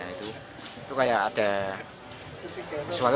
itu kayak ada sesuatu